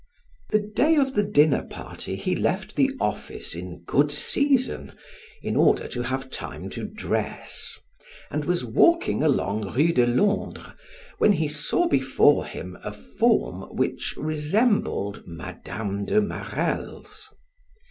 The day of the dinner party he left the office in good season, in order to have time to dress, and was walking along Rue de Londres when he saw before him a form which resembled Mme. de Marelle's.